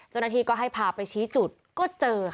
จนนาทีก็ให้พาไปชี้จุดก็เจอค่ะ